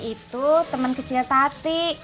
itu temen kecil tati